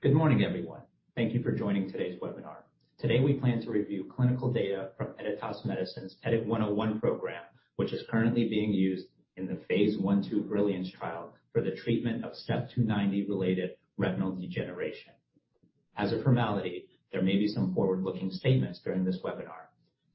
Good morning, everyone. Thank you for joining today's webinar. Today we plan to review clinical data from Editas Medicine's EDIT-101 program, which is currently being used in the phase I/II BRILLIANCE trial for the treatment of CEP290 related retinal degeneration. As a formality, there may be some forward-looking statements during this webinar.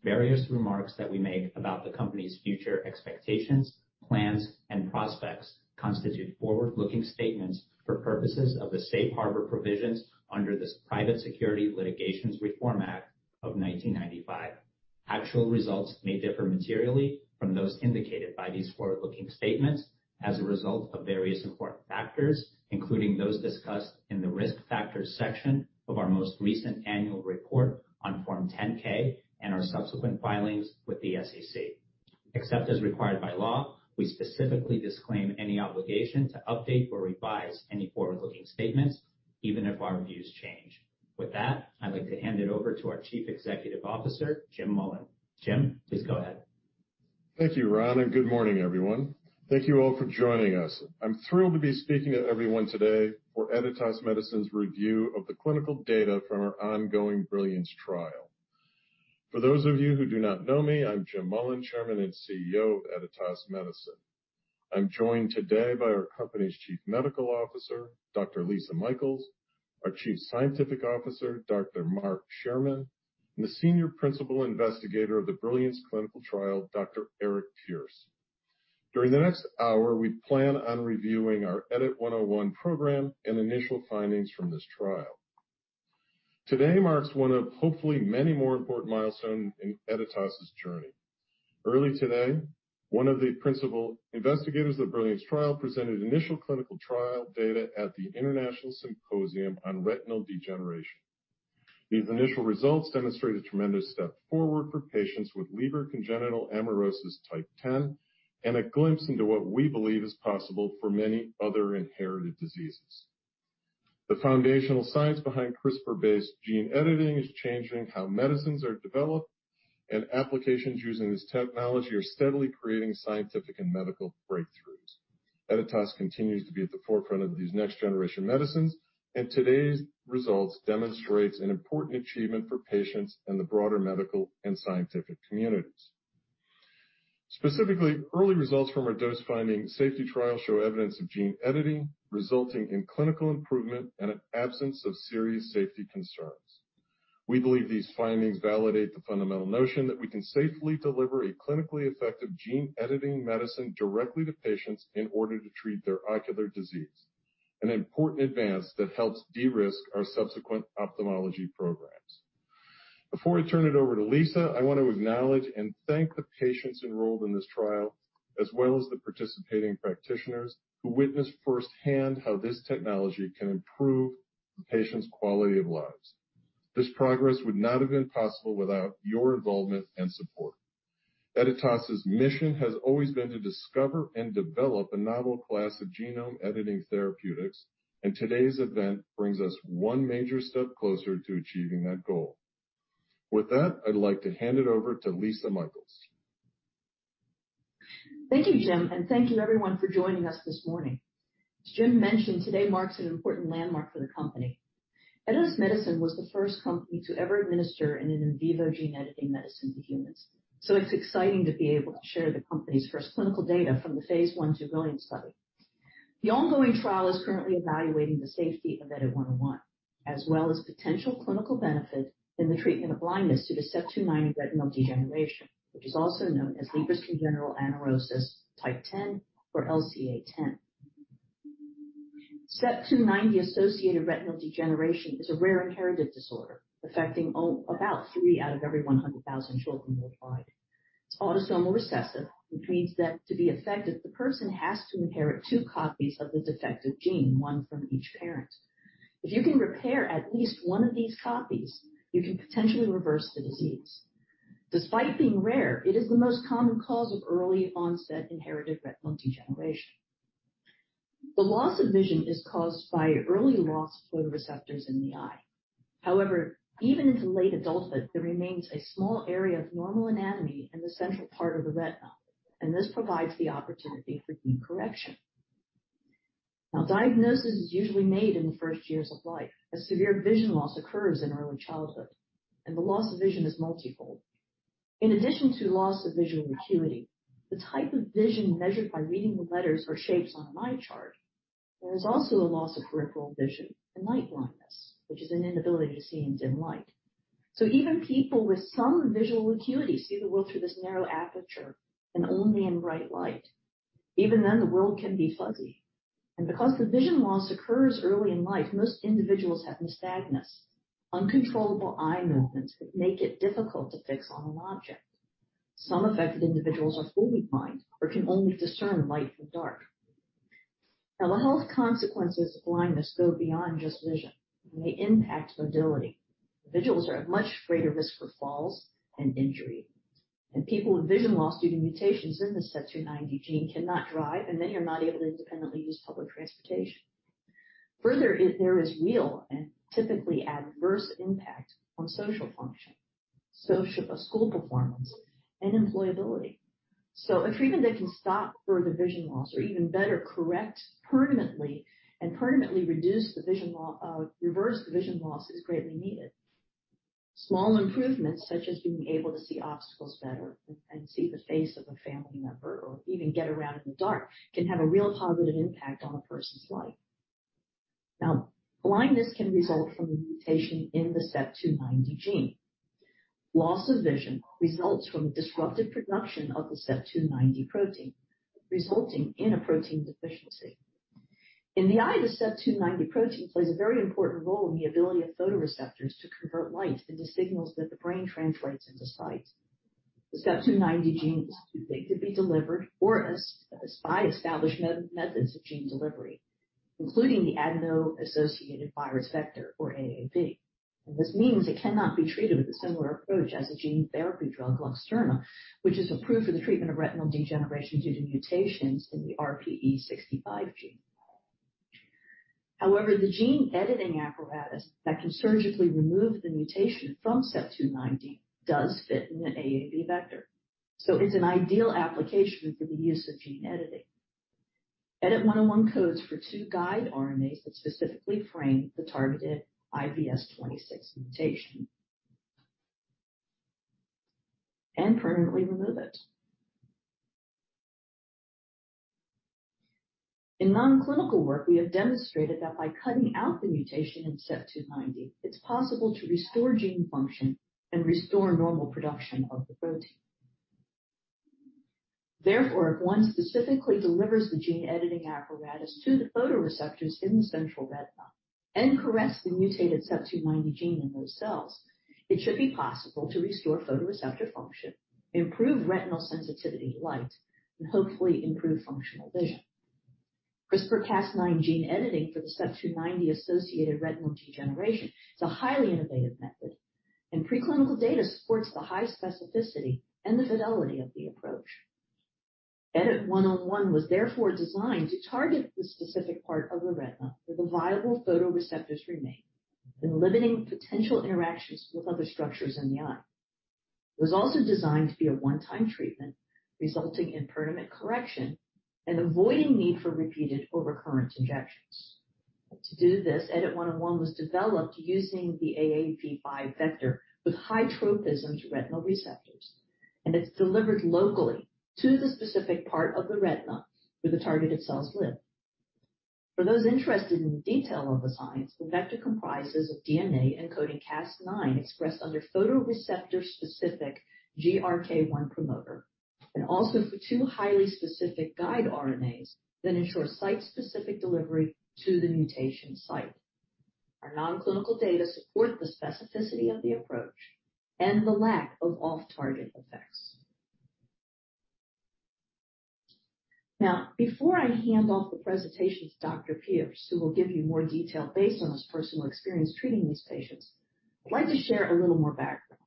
Various remarks that we make about the company's future expectations, plans, and prospects constitute forward-looking statements for purposes of the safe harbor provisions under this Private Securities Litigation Reform Act of 1995. Actual results may differ materially from those indicated by these forward-looking statements as a result of various important factors, including those discussed in the risk factors section of our most recent annual report on Form 10-K and our subsequent filings with the SEC. Except as required by law, we specifically disclaim any obligation to update or revise any forward-looking statements, even if our views change. With that, I'd like to hand it over to our Chief Executive Officer, Jim Mullen. Jim, please go ahead. Thank you, Ron, and good morning, everyone. Thank you all for joining us. I'm thrilled to be speaking to everyone today for Editas Medicine's review of the clinical data from our ongoing BRILLIANCE trial. For those of you who do not know me, I'm Jim Mullen, Chairman and CEO of Editas Medicine. I'm joined today by our company's Chief Medical Officer, Dr. Lisa Michaels, our Chief Scientific Officer, Dr. Mark Shearman, and the Senior Principal Investigator of the BRILLIANCE clinical trial, Dr. Eric Pierce. During the next hour, we plan on reviewing our EDIT-101 program and initial findings from this trial. Today marks one of hopefully many more important milestones in Editas's journey. Early today, one of the principal investigators of the BRILLIANCE trial presented initial clinical trial data at the International Symposium on Retinal Degeneration. These initial results demonstrate a tremendous step forward for patients with Leber congenital amaurosis type 10, and a glimpse into what we believe is possible for many other inherited diseases. The foundational science behind CRISPR-based gene editing is changing how medicines are developed, and applications using this technology are steadily creating scientific and medical breakthroughs. Editas continues to be at the forefront of these next generation medicines, and today's results demonstrates an important achievement for patients and the broader medical and scientific communities. Specifically, early results from our dose-finding safety trial show evidence of gene editing, resulting in clinical improvement and an absence of serious safety concerns. We believe these findings validate the fundamental notion that we can safely deliver a clinically effective gene editing medicine directly to patients in order to treat their ocular disease, an important advance that helps de-risk our subsequent ophthalmology programs. Before I turn it over to Lisa, I want to acknowledge and thank the patients enrolled in this trial, as well as the participating practitioners who witnessed firsthand how this technology can improve the patients' quality of lives. This progress would not have been possible without your involvement and support. Editas's mission has always been to discover and develop a novel class of genome editing therapeutics, and today's event brings us one major step closer to achieving that goal. With that, I'd like to hand it over to Lisa Michaels. Thank you, Jim, and thank you everyone for joining us this morning. As Jim mentioned, today marks an important landmark for the company. Editas Medicine was the first company to ever administer an in vivo gene editing medicine to humans, so it's exciting to be able to share the company's first clinical data from the phase I/II BRILLIANCE study. The ongoing trial is currently evaluating the safety of EDIT-101, as well as potential clinical benefit in the treatment of blindness due to CEP290 retinal degeneration, which is also known as Leber congenital amaurosis type 10, or LCA10. CEP290-associated retinal degeneration is a rare inherited disorder affecting about three out of every 100,000 children worldwide. It's autosomal recessive, which means that to be affected, the person has to inherit two copies of the defective gene, one from each parent. If you can repair at least one of these copies, you can potentially reverse the disease. Despite being rare, it is the most common cause of early onset inherited retinal degeneration. The loss of vision is caused by early loss of photoreceptors in the eye. However, even into late adulthood, there remains a small area of normal anatomy in the central part of the retina, and this provides the opportunity for gene correction. Now, diagnosis is usually made in the first years of life, as severe vision loss occurs in early childhood, and the loss of vision is multifold. In addition to loss of visual acuity, the type of vision measured by reading the letters or shapes on an eye chart, there is also a loss of peripheral vision and night blindness, which is an inability to see in dim light. Even people with some visual acuity see the world through this narrow aperture and only in bright light. Even then, the world can be fuzzy. Because the vision loss occurs early in life, most individuals have nystagmus, uncontrollable eye movements that make it difficult to fix on an object. Some affected individuals are fully blind or can only discern light from dark. Now, the health consequences of blindness go beyond just vision and may impact mobility. Individuals are at much greater risk for falls and injury, and people with vision loss due to mutations in the CEP290 gene cannot drive, and then you're not able to independently use public transportation. Further, there is real and typically adverse impact on social function social school performance, and employability. A treatment that can stop further vision loss, or even better, correct permanently and permanently reverse the vision loss, is greatly needed. Small improvements, such as being able to see obstacles better and see the face of a family member or even get around in the dark, can have a real positive impact on a person's life. Blindness can result from a mutation in the CEP290 gene. Loss of vision results from disrupted production of the CEP290 protein, resulting in a protein deficiency. In the eye, the CEP290 protein plays a very important role in the ability of photoreceptors to convert light into signals that the brain translates into sight. The CEP290 gene is too big to be delivered by established methods of gene delivery, including the adeno-associated virus vector or AAV. This means it cannot be treated with a similar approach as a gene therapy drug, LUXTURNA, which is approved for the treatment of retinal degeneration due to mutations in the RPE65 gene. However, the gene editing apparatus that can surgically remove the mutation from CEP290 does fit in an AAV vector, so it's an ideal application for the use of gene editing. EDIT-101 codes for two guide RNAs that specifically frame the targeted IVS26 mutation and permanently remove it. In non-clinical work, we have demonstrated that by cutting out the mutation in CEP290, it's possible to restore gene function and restore normal production of the protein. If one specifically delivers the gene editing apparatus to the photoreceptors in the central retina and corrects the mutated CEP290 gene in those cells, it should be possible to restore photoreceptor function, improve retinal sensitivity to light, and hopefully improve functional vision. CRISPR-Cas9 gene editing for the CEP290-associated retinal degeneration is a highly innovative method, preclinical data supports the high specificity and the fidelity of the approach. EDIT-101 was designed to target the specific part of the retina where the viable photoreceptors remain and limiting potential interactions with other structures in the eye. It was also designed to be a one-time treatment, resulting in permanent correction and avoiding need for repeated or recurrent injections. To do this, EDIT-101 was developed using the AAV5 vector with high tropism to retinal receptors, and it's delivered locally to the specific part of the retina where the targeted cells live. For those interested in the detail of the science, the vector comprises of DNA encoding Cas9 expressed under photoreceptor specific GRK1 promoter, and also for two highly specific guide RNAs that ensure site-specific delivery to the mutation site. Our non-clinical data support the specificity of the approach and the lack of off-target effects. Before I hand off the presentation to Dr. Pierce, who will give you more detail based on his personal experience treating these patients, I'd like to share a little more background.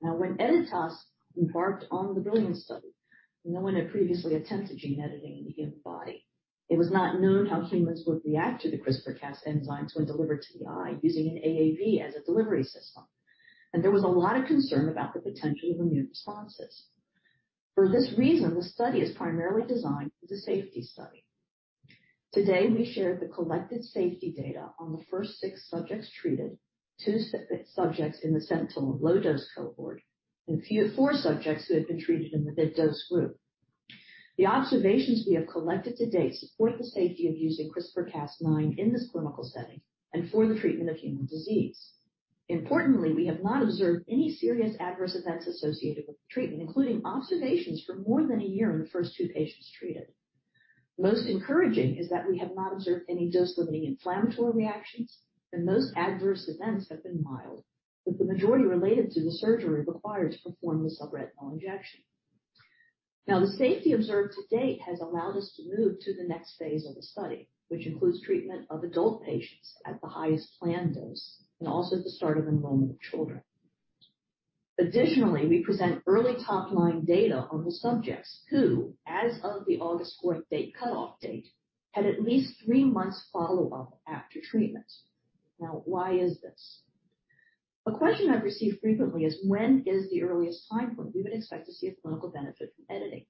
When Editas embarked on the BRILLIANCE trial, no one had previously attempted gene editing in the human body. It was not known how humans would react to the CRISPR-Cas enzymes when delivered to the eye using an AAV as a delivery system, and there was a lot of concern about the potential immune responses. For this reason, the study is primarily designed as a safety study. Today, we share the collected safety data on the first six subjects treated, two subjects in the sentinel low dose cohort, and four subjects who have been treated in the mid-dose group. The observations we have collected to date support the safety of using CRISPR-Cas9 in this clinical setting and for the treatment of human disease. Importantly, we have not observed any serious adverse events associated with the treatment, including observations for more than a year in the first two patients treated. Most encouraging is that we have not observed any dose-limiting inflammatory reactions, and most adverse events have been mild, with the majority related to the surgery required to perform the subretinal injection. The safety observed to date has allowed us to move to the next phase of the study, which includes treatment of adult patients at the highest planned dose and also the start of enrollment of children. Additionally, we present early top-line data on the subjects who, as of the August 4th cutoff date, had at least three months follow-up after treatment. Why is this? A question I've received frequently is when is the earliest time point we would expect to see a clinical benefit from editing?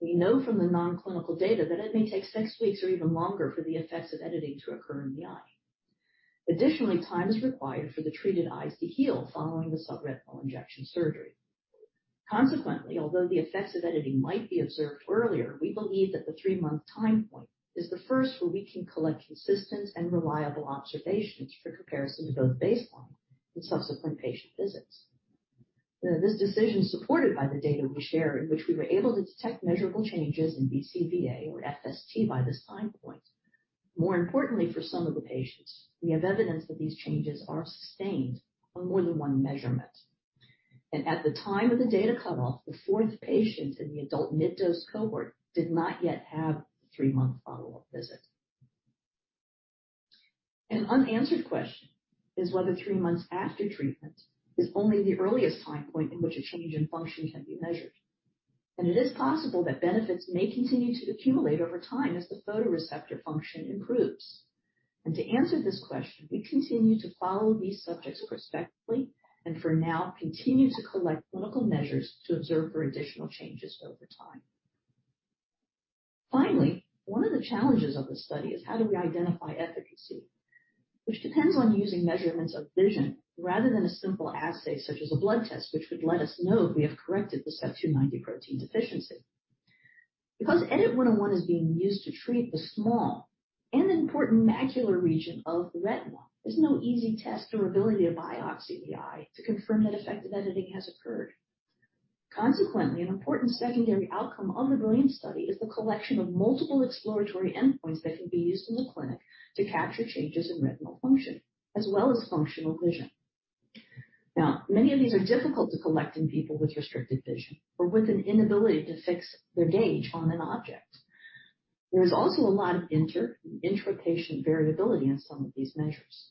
We know from the non-clinical data that it may take six weeks or even longer for the effects of editing to occur in the eye. Additionally, time is required for the treated eyes to heal following the subretinal injection surgery. Consequently, although the effects of editing might be observed earlier, we believe that the three-month time point is the first where we can collect consistent and reliable observations for comparison to both baseline and subsequent patient visits. This decision is supported by the data we share in which we were able to detect measurable changes in BCVA or FST by this time point. More importantly, for some of the patients, we have evidence that these changes are sustained on more than one measurement. At the time of the data cutoff, the fourth patient in the adult mid-dose cohort did not yet have the three-month follow-up visit. An unanswered question is whether three months after treatment is only the earliest time point in which a change in function can be measured. It is possible that benefits may continue to accumulate over time as the photoreceptor function improves. To answer this question, we continue to follow these subjects prospectively, and for now continue to collect clinical measures to observe for additional changes over time. Finally, one of the challenges of the study is how do we identify efficacy, which depends on using measurements of vision rather than a simple assay such a blood test, which would let us know if we have corrected the CEP290 protein's efficiency. Because EDIT-101 is being used to treat the small and important macular region of the retina, there's no easy test or ability to biopsy the eye to confirm that effective editing has occurred. Consequently, an important secondary outcome of the BRILLIANCE study is the collection of multiple exploratory endpoints that can be used in the clinic to capture changes in retinal function, as well as functional vision. Many of these are difficult to collect in people with restricted vision or with an inability to fix their gaze on an object. There is also a lot of inter- and intra-patient variability in some of these measures.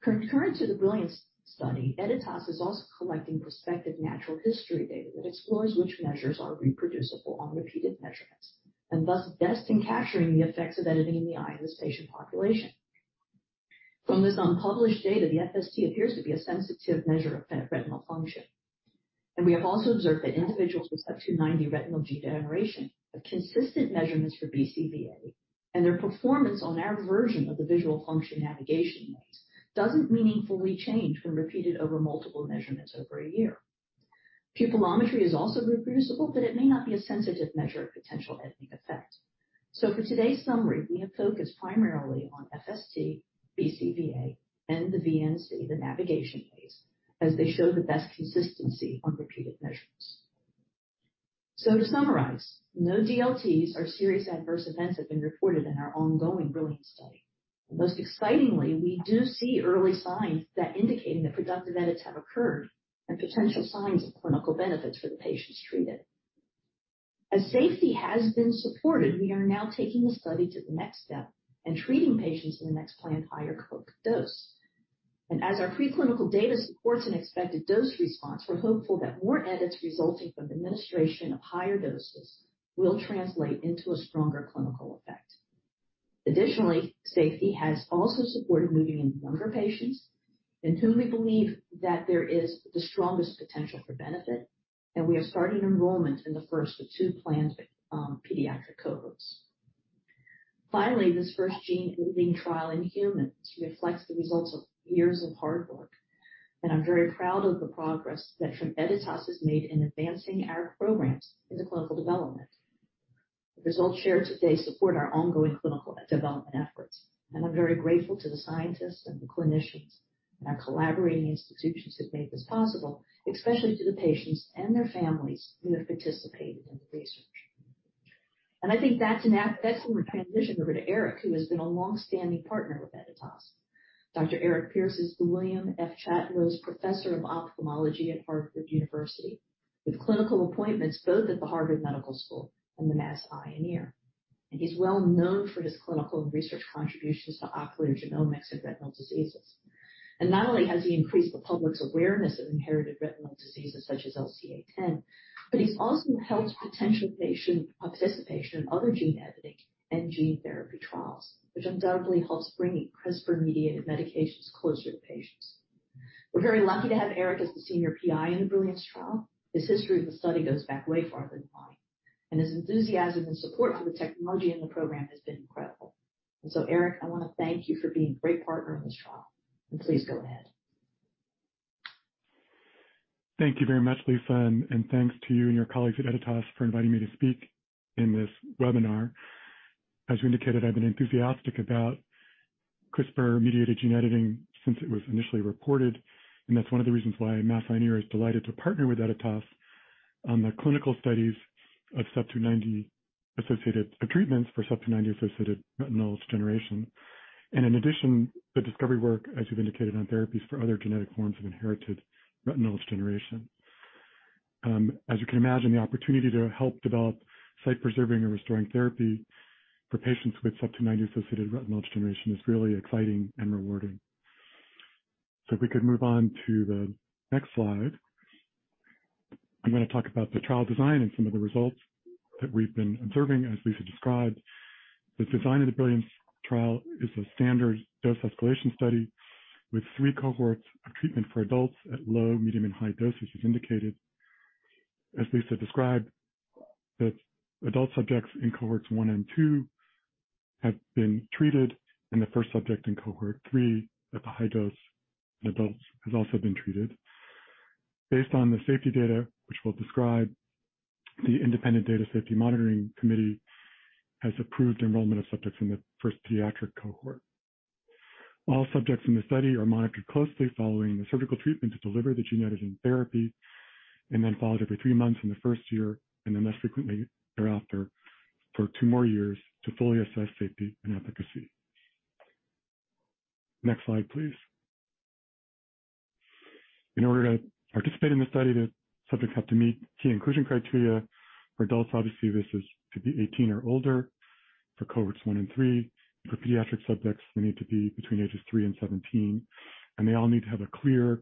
Concurrent to the BRILLIANCE study, Editas is also collecting prospective natural history data that explores which measures are reproducible on repeated measurements, and thus best in capturing the effects of editing in the eye in this patient population. From this unpublished data, the FST appears to be a sensitive measure of retinal function, and we have also observed that individuals with CEP290 retinal degeneration have consistent measurements for BCVA, and their performance on our version of the visual function navigation maze doesn't meaningfully change when repeated over multiple measurements over a year. Pupillometry is also reproducible, but it may not be a sensitive measure of potential editing effect. For today's summary, we have focused primarily on FST, BCVA, and the VNC, the navigation maze, as they show the best consistency on repeated measurements. To summarize, no DLTs or serious adverse events have been reported in our ongoing BRILLIANCE study. Most excitingly, we do see early signs that indicating that productive edits have occurred and potential signs of clinical benefits for the patients treated. As safety has been supported, we are now taking the study to the next step and treating patients in the next planned higher dose. Our preclinical data supports an expected dose response, we're hopeful that more edits resulting from administration of higher doses will translate into a stronger clinical effect. Additionally, safety has also supported moving into younger patients in whom we believe that there is the strongest potential for benefit, and we are starting enrollment in the first of two planned pediatric cohorts. Finally, this first gene editing trial in humans reflects the results of years of hard work, and I'm very proud of the progress that Editas has made in advancing our programs into clinical development. The results shared today support our ongoing clinical development efforts, and I'm very grateful to the scientists and the clinicians and our collaborating institutions who've made this possible, especially to the patients and their families who have participated in the research. I think that's an apt transition over to Eric, who has been a longstanding partner with Editas. Dr. Eric Pierce is the William F. Chatlos Professor of Ophthalmology at Harvard University, with clinical appointments both at the Harvard Medical School and the Mass Eye and Ear. He's well known for his clinical and research contributions to ocular genomics and retinal diseases. Not only has he increased the public's awareness of inherited retinal diseases such as LCA10, but he's also helped potential patient participation in other gene editing and gene therapy trials, which undoubtedly helps bringing CRISPR-mediated medications closer to patients. We're very lucky to have Eric as the Senior PI in the BRILLIANCE trial. His history with the study goes back way farther than mine, and his enthusiasm and support for the technology and the program has been incredible. Eric, I want to thank you for being a great partner in this trial. Please go ahead. Thank you very much, Lisa, and thanks to you and your colleagues at Editas for inviting me to speak in this webinar. As we indicated, I've been enthusiastic about CRISPR-mediated gene editing since it was initially reported, and that's one of the reasons why Mass Eye and Ear is delighted to partner with Editas on the clinical studies of CEP290 associated treatments for CEP290 associated retinal degeneration. In addition, the discovery work, as you've indicated, on therapies for other genetic forms of inherited retinal degeneration. As you can imagine, the opportunity to help develop sight preserving or restoring therapy for patients with CEP290 associated retinal degeneration is really exciting and rewarding. If we could move on to the next slide, I'm going to talk about the trial design and some of the results that we've been observing, as Lisa described. The design of the BRILLIANCE trial is a standard dose escalation study with three cohorts of treatment for adults at low, medium, and high doses as indicated. As Lisa described, the adult subjects in cohorts one and two have been treated, and the first subject in cohort three at the high dose in adults has also been treated. Based on the safety data, which we'll describe, the independent data safety monitoring committee has approved enrollment of subjects in the first pediatric cohort. All subjects in the study are monitored closely following the surgical treatment to deliver the gene editing therapy, and then followed every three months in the first year, and then less frequently thereafter for two more years to fully assess safety and efficacy. Next slide, please. In order to participate in the study, the subjects have to meet key inclusion criteria. For adults, obviously, this is to be 18 or older. For cohorts 1 and 3, for pediatric subjects, they need to be between ages three and 17, and they all need to have a clear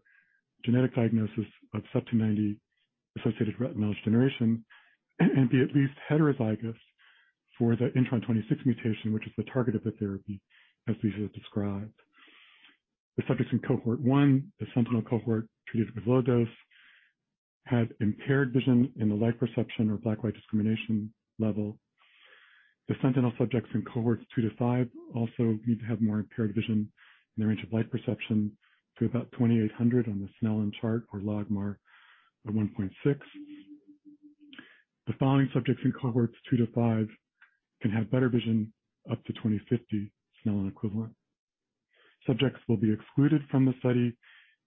genetic diagnosis of CEP290-associated retinal degeneration and be at least heterozygous for the intron 26 mutation, which is the target of the therapy, as Lisa described. The subjects in cohort 1, the sentinel cohort treated with low dose, had impaired vision in the light perception or black light discrimination level. The sentinel subjects in cohorts 2 to 5 also need to have more impaired vision in the range of light perception to about 20/800 on the Snellen chart or logMAR of 1.6. The following subjects in cohorts 2 to 5 can have better vision up to 20/50 Snellen equivalent. Subjects will be excluded from the study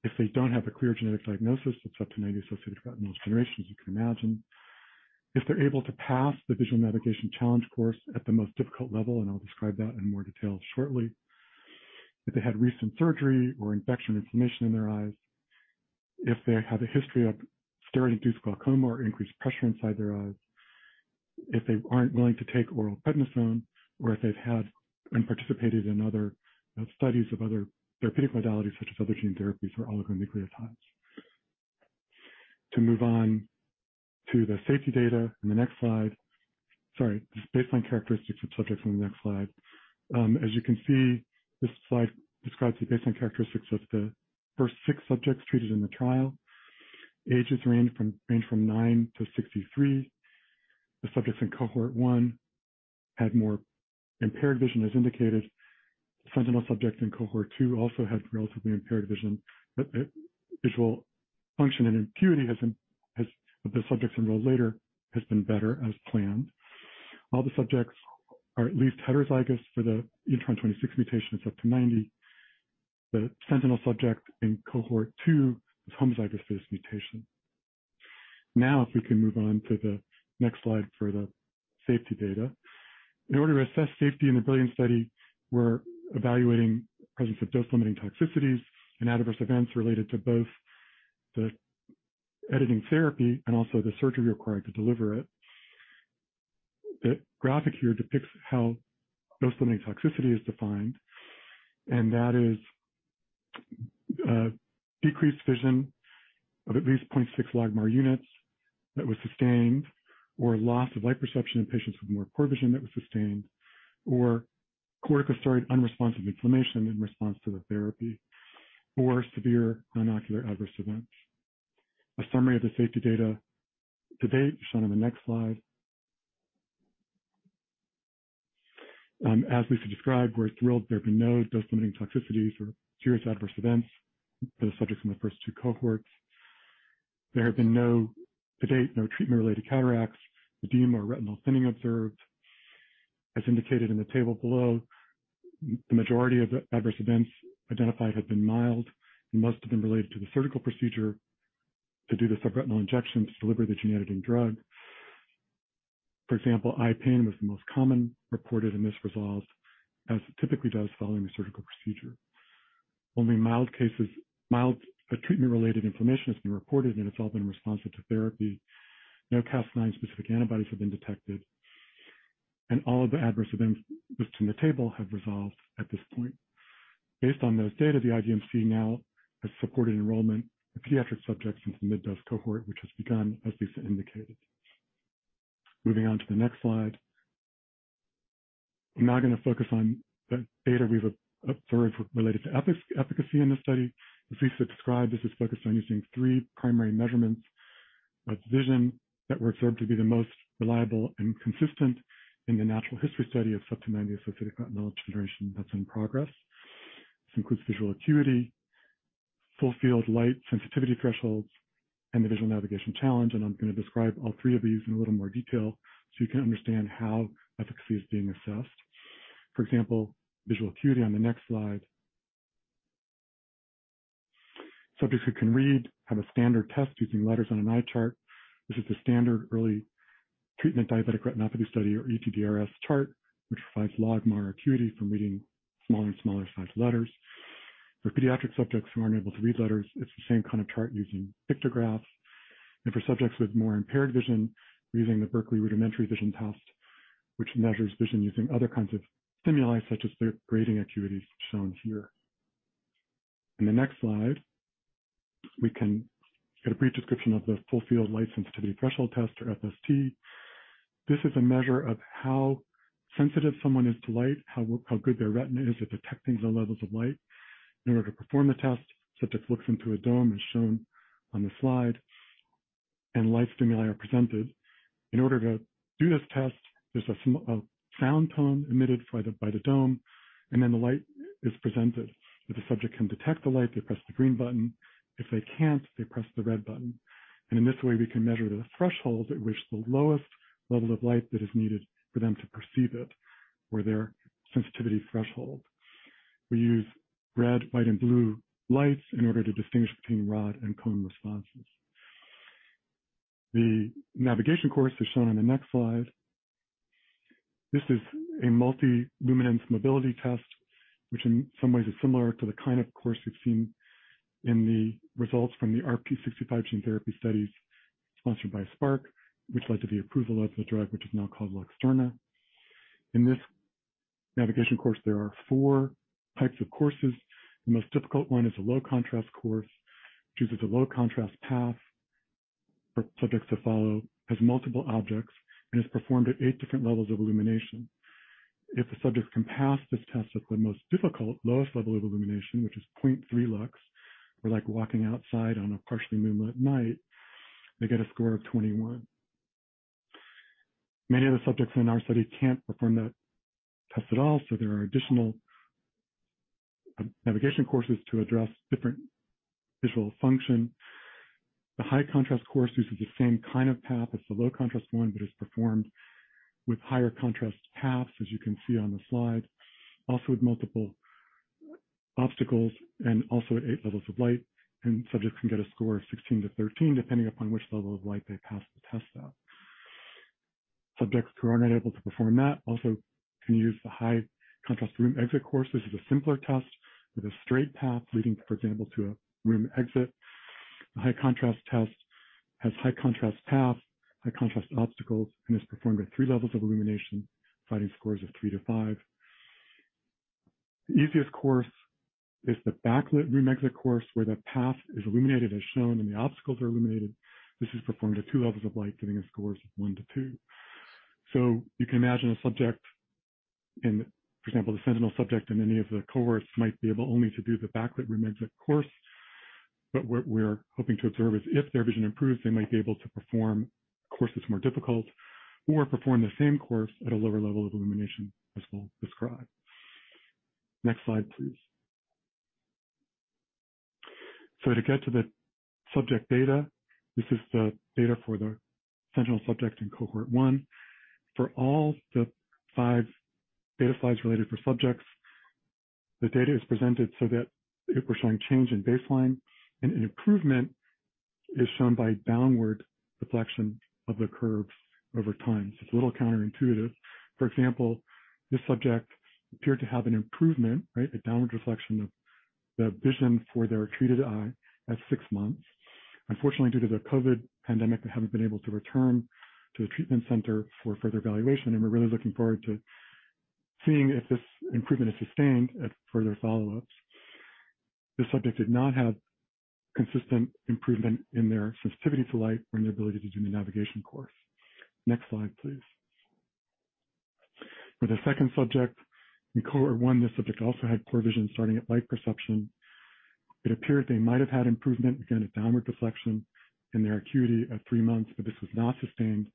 if they don't have a clear genetic diagnosis of CEP290-associated retinal degeneration, as you can imagine, if they're able to pass the Visual Navigation Challenge Course at the most difficult level, and I'll describe that in more detail shortly, if they had recent surgery or infection, inflammation in their eyes, if they have a history of steroid-induced glaucoma or increased pressure inside their eyes, if they aren't willing to take oral prednisone, or if they've had and participated in other studies of other therapeutic modalities such as other gene therapies or oligonucleotides. To move on to the safety data in the next slide. Sorry, this is baseline characteristics of subjects on the next slide. As you can see, this slide describes the baseline characteristics of the first six subjects treated in the trial. Ages range from 9 to 63. The subjects in cohort 1 had more impaired vision, as indicated. Sentinel subjects in cohort 2 also had relatively impaired vision, but visual function and acuity as the subjects enrolled later has been better as planned. All the subjects are at least heterozygous for the intron 26 mutation of CEP290. The sentinel subject in cohort 2 is homozygous for this mutation. Now, if we can move on to the next slide for the safety data. In order to assess safety in the BRILLIANCE study, we're evaluating presence of dose-limiting toxicities and adverse events related to both the editing therapy and also the surgery required to deliver it. The graphic here depicts how dose-limiting toxicity is defined, that is decreased vision of at least 0.6 logMAR units that was sustained, or loss of light perception in patients with more poor vision that was sustained, or corticosteroid-unresponsive inflammation in response to the therapy, or severe non-ocular adverse events. A summary of the safety data to date is shown on the next slide. As Lisa described, we're thrilled there have been no dose-limiting toxicities or serious adverse events for the subjects in the first two cohorts. There have been, to date, no treatment-related cataracts, edema, or retinal thinning observed. As indicated in the table below, the majority of the adverse events identified have been mild, most have been related to the surgical procedure to do the subretinal injections to deliver the gene-editing drug. For example, eye pain was the most common reported, and this resolves as it typically does following the surgical procedure. Only mild treatment-related inflammation has been reported, and it's all been responsive to therapy. No Cas9 specific antibodies have been detected, and all of the adverse events listed in the table have resolved at this point. Based on those data, the IDMC now has supported enrollment of pediatric subjects into the mid-dose cohort, which has begun, as Lisa indicated. Moving on to the next slide. I'm now going to focus on the data we've observed related to efficacy in this study. As Lisa described, this is focused on using three primary measurements of vision that were observed to be the most reliable and consistent in the natural history study of CEP290-associated retinal degeneration that's in progress. This includes visual acuity, full-field light sensitivity thresholds, and the Visual Navigation Challenge, and I'm going to describe all three of these in a little more detail so you can understand how efficacy is being assessed. For example, visual acuity on the next slide. Subjects who can read have a standard test using letters on an eye chart. This is the standard Early Treatment Diabetic Retinopathy Study, or ETDRS, chart, which provides logMAR acuity from reading smaller and smaller sized letters. For pediatric subjects who aren't able to read letters, it's the same kind of chart using pictographs, and for subjects with more impaired vision, we're using the Berkeley Rudimentary Vision Test, which measures vision using other kinds of stimuli, such as the grating acuities shown here. In the next slide, we can get a brief description of the full field light sensitivity threshold test, or FST. This is a measure of how sensitive someone is to light, how good their retina is at detecting the levels of light. In order to perform the test, subject looks into a dome, as shown on the slide, and light stimuli are presented. In order to do this test, there's a sound tone emitted by the dome, and then the light is presented. If the subject can detect the light, they press the green button. If they can't, they press the red button, and in this way, we can measure the threshold at which the lowest level of light that is needed for them to perceive it or their sensitivity threshold. We use red, white, and blue lights in order to distinguish between rod and cone responses. The navigation course is shown on the next slide. This is a multi-luminance mobility test, which in some ways is similar to the kind of course we've seen in the results from the RPE65 gene therapy studies sponsored by Spark, which led to the approval of the drug, which is now called LUXTURNA. In this navigation course, there are four types of courses. The most difficult one is a low contrast course, chooses a low contrast path for subjects to follow, has multiple objects, and is performed at eight different levels of illumination. If a subject can pass this test at the most difficult, lowest level of illumination, which is 0.3 lux, or like walking outside on a partially moonlit night, they get a score of 21. Many of the subjects in our study can't perform that test at all. There are additional navigation courses to address different visual function. The high contrast course uses the same kind of path as the low contrast one, but is performed with higher contrast paths, as you can see on the slide, also with multiple obstacles and also at eight levels of light, and subjects can get a score of 16-13, depending upon which level of light they pass the test at. Subjects who are unable to perform that also can use the high contrast room exit course. This is a simpler test with a straight path leading, for example, to a room exit. The high contrast test has high contrast paths, high contrast obstacles, and is performed at three levels of illumination, finding scores of 3-5. The easiest course is the backlit room exit course, where the path is illuminated as shown, and the obstacles are illuminated. This is performed at two levels of light, giving us scores of 1-2. You can imagine a subject in, for example, the sentinel subject in any of the cohorts might be able only to do the backlit room exit course. What we're hoping to observe is if their vision improves, they might be able to perform courses more difficult or perform the same course at a lower level of illumination, as we'll describe. Next slide, please. To get to the subject data, this is the data for the sentinel subject in cohort 1. For all the five data slides related for subjects, the data is presented so that if we're showing change in baseline, an improvement is shown by downward deflection of the curves over time. It's a little counterintuitive. For example, this subject appeared to have an improvement, a downward deflection of the vision for their treated eye at six months. Unfortunately, due to the COVID pandemic, they haven't been able to return to the treatment center for further evaluation. We're really looking forward to seeing if this improvement is sustained at further follow-ups. This subject did not have consistent improvement in their sensitivity to light or in their ability to do the navigation course. Next slide, please. For the second subject in cohort 1, this subject also had poor vision starting at light perception. It appeared they might have had improvement, again, a downward deflection in their acuity at three months. This was not sustained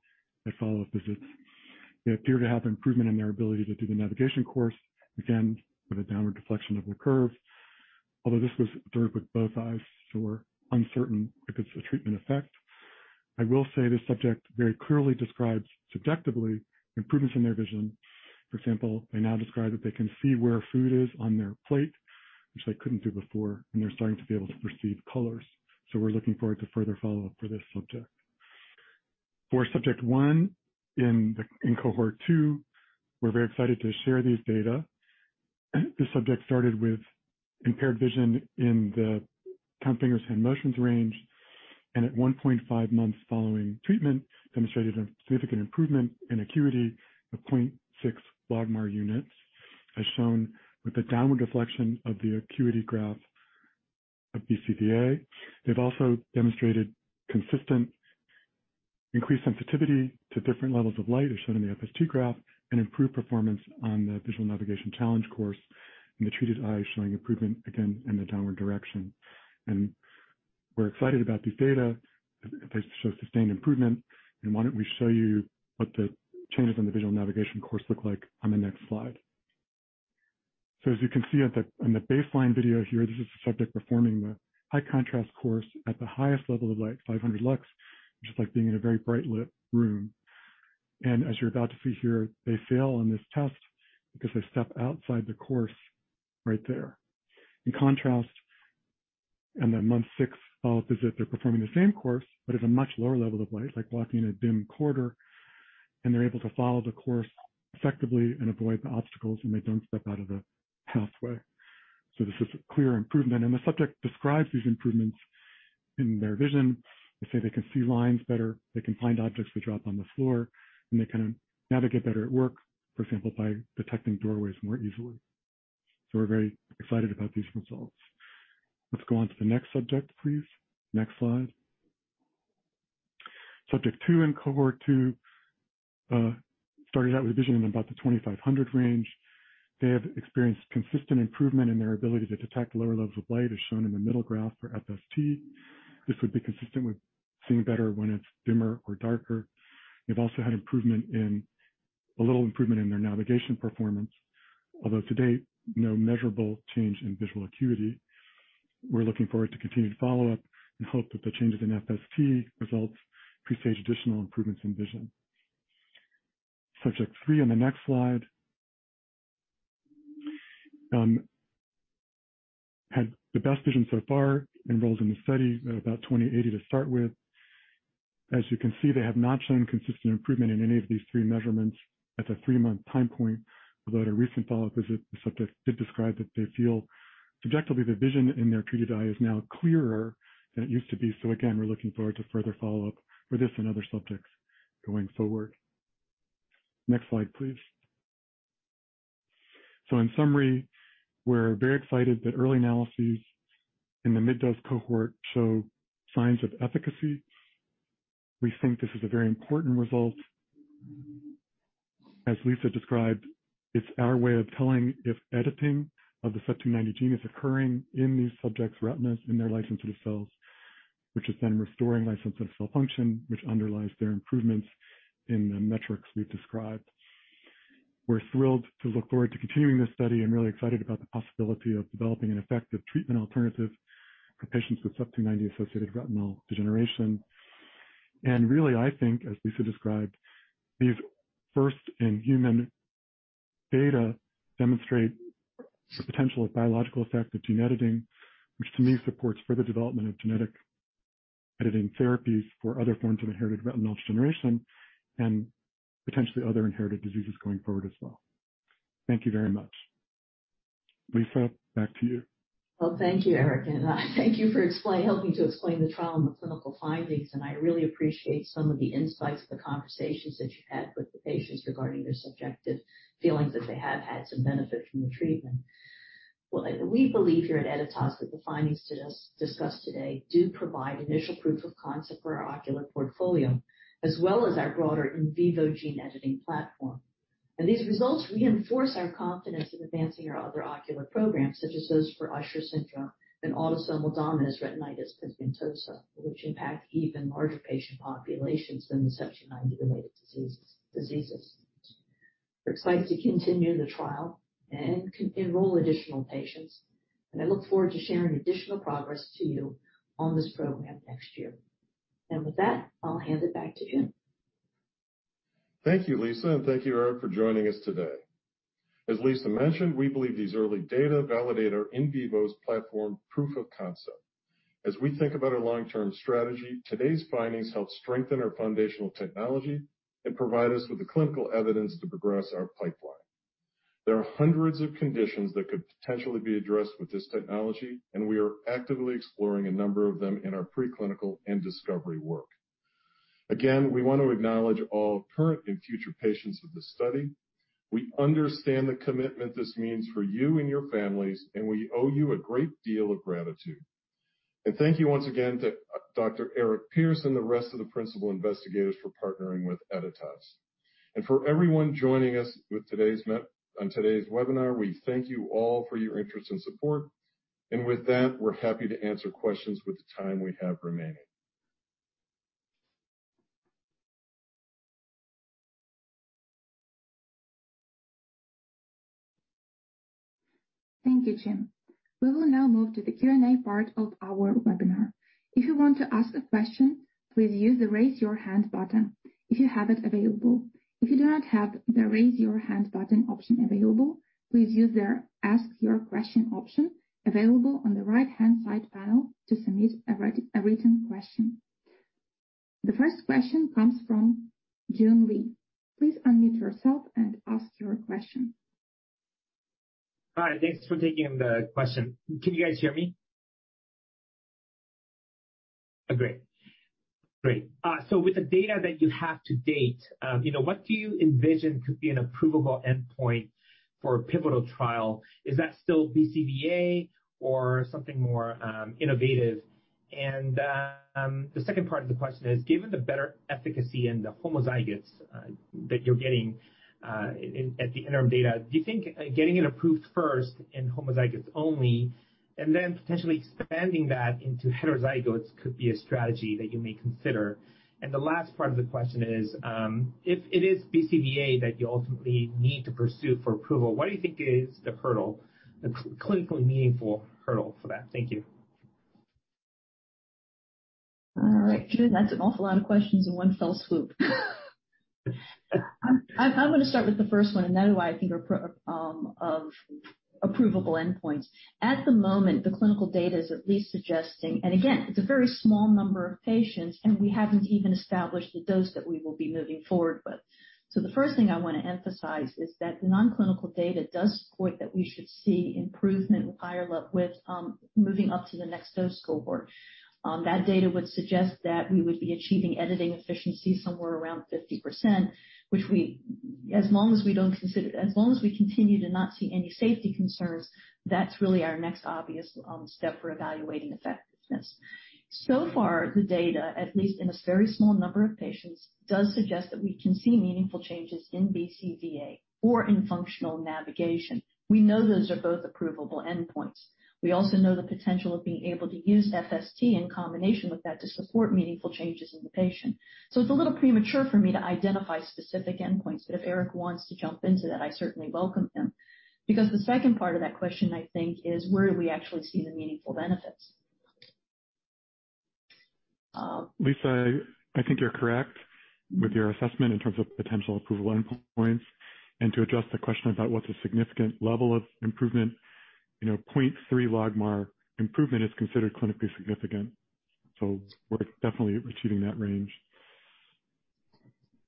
at follow-up visits. They appear to have improvement in their ability to do the navigation course, again, with a downward deflection of the curve, although this was observed with both eyes, so we're uncertain if it's a treatment effect. I will say this subject very clearly describes, subjectively, improvements in their vision. For example, they now describe that they can see where food is on their plate, which they couldn't do before, and they're starting to be able to perceive colors. We're looking forward to further follow-up for this subject. For subject 1 in cohort 2, we're very excited to share these data. This subject started with impaired vision in the count fingers/hand motions range, and at 1.5 months following treatment, demonstrated a significant improvement in acuity of 0.6 logMAR units, as shown with the downward deflection of the acuity graph of BCVA. They've also demonstrated consistent increased sensitivity to different levels of light, as shown in the FST graph, and improved performance on the Visual Navigation Challenge Course in the treated eye, showing improvement, again, in the downward direction. We're excited about these data if they show sustained improvement. Why don't we show you what the changes in the Visual Navigation Course look like on the next slide. As you can see on the baseline video here, this is the subject performing the high contrast course at the highest level of light, 500 lux, which is like being in a very bright lit room. As you're about to see here, they fail on this test because they step outside the course right there. In contrast, in the month six follow-up visit, they're performing the same course, but at a much lower level of light, like walking in a dim corridor, and they're able to follow the course effectively and avoid the obstacles, and they don't step out of the pathway. This is a clear improvement, and the subject describes these improvements in their vision. They say they can see lines better, they can find objects they drop on the floor, and they can navigate better at work, for example, by detecting doorways more easily. We're very excited about these results. Let's go on to the next subject, please. Next slide. Subject 2 in cohort 2 started out with vision in about the 20/500 range. They have experienced consistent improvement in their ability to detect lower levels of light, as shown in the middle graph for FST. This would be consistent with seeing better when it's dimmer or darker. They've also had a little improvement in their navigation performance, although to date, no measurable change in visual acuity. We're looking forward to continued follow-up and hope that the changes in FST results presage additional improvements in vision. Subject 3 on the next slide had the best vision so far enrolled in the study at about 20/80 to start with. As you can see, they have not shown consistent improvement in any of these three measurements at the three-month time point, although at a recent follow-up visit, the subject did describe that they feel subjectively the vision in their treated eye is now clearer than it used to be. Again, we're looking forward to further follow-up for this and other subjects going forward. Next slide, please. In summary, we're very excited that early analyses in the mid-dose cohort show signs of efficacy. We think this is a very important result. As Lisa described, it's our way of telling if editing of the CEP290 gene is occurring in these subjects' retinas, in their light sensitive cells, which is then restoring light sensitive cell function, which underlies their improvements in the metrics we've described. We're thrilled to look forward to continuing this study, and really excited about the possibility of developing an effective treatment alternative for patients with CEP290-associated retinal degeneration. Really, I think, as Lisa described, these first in human data demonstrate the potential of biological effect of gene editing, which to me supports further development of gene editing therapies for other forms of inherited retinal degeneration, and potentially other inherited diseases going forward as well. Thank you very much. Lisa, back to you. Well, thank you, Eric, thank you for helping to explain the trial and the clinical findings. I really appreciate some of the insights of the conversations that you had with the patients regarding their subjective feelings that they have had some benefit from the treatment. Well, we believe here at Editas that the findings discussed today do provide initial proof of concept for our ocular portfolio, as well as our broader in vivo gene editing platform. These results reinforce our confidence in advancing our other ocular programs, such as those for Usher syndrome and autosomal dominant retinitis pigmentosa, which impact even larger patient populations than the CEP290 related diseases. We're excited to continue the trial and enroll additional patients, and I look forward to sharing additional progress to you on this program next year. With that, I'll hand it back to Jim. Thank you, Lisa, and thank you, Eric, for joining us today. As Lisa mentioned, we believe these early data validate our in vivo's platform proof of concept. As we think about our long-term strategy, today's findings help strengthen our foundational technology and provide us with the clinical evidence to progress our pipeline. There are hundreds of conditions that could potentially be addressed with this technology, and we are actively exploring a number of them in our preclinical and discovery work. Again, we want to acknowledge all current and future patients of this study. We understand the commitment this means for you and your families, and we owe you a great deal of gratitude. Thank you once again to Dr. Eric Pierce and the rest of the principal investigators for partnering with Editas. For everyone joining us on today's webinar, we thank you all for your interest and support. With that, we're happy to answer questions with the time we have remaining. Thank you, Jim. We will now move to the Q&A part of our webinar. If you want to ask a question, please use the raise your hand button, if you have it available. If you do not have the raise your hand button option available, please use the ask your question option available on the right-hand side panel to submit a written question. The first question comes from Joon Lee. Please unmute yourself and ask your question. Hi. Thanks for taking the question. Can you guys hear me? Great. With the data that you have to date, what do you envision could be an approvable endpoint for a pivotal trial? Is that still BCVA or something more innovative? The second part of the question is, given the better efficacy in the homozygous that you're getting at the interim data, do you think getting it approved first in homozygous only and then potentially expanding that into heterozygotes could be a strategy that you may consider? The last part of the question is, if it is BCVA that you ultimately need to pursue for approval, what do you think is the hurdle, the clinically meaningful hurdle for that? Thank you. All right, Joon, that's an awful lot of questions in one fell swoop. I'm going to start with the first one. That is why I think of approvable endpoints. At the moment, the clinical data is at least suggesting. Again, it's a very small number of patients. We haven't even established the dose that we will be moving forward with. The first thing I want to emphasize is that the non-clinical data does support that we should see improvement with moving up to the next dose cohort. That data would suggest that we would be achieving editing efficiency somewhere around 50%, which as long as we continue to not see any safety concerns, that's really our next obvious step for evaluating effectiveness. So far, the data, at least in a very small number of patients, does suggest that we can see meaningful changes in BCVA or in functional navigation. We know those are both approvable endpoints. We also know the potential of being able to use FST in combination with that to support meaningful changes in the patient. It's a little premature for me to identify specific endpoints, but if Eric wants to jump into that, I certainly welcome him. The second part of that question, I think, is where do we actually see the meaningful benefits? Lisa, I think you're correct with your assessment in terms of potential approval endpoints. To address the question about what's a significant level of improvement, 0.3 logMAR improvement is considered clinically significant. We're definitely achieving that range.